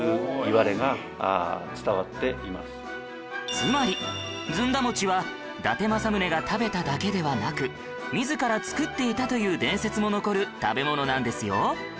つまりずんだ餅は伊達政宗が食べただけではなく自ら作っていたという伝説も残る食べ物なんですよ